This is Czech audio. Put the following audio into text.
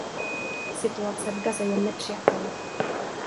Situace v Gaze je nepřijatelná.